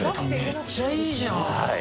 めっちゃいいじゃん。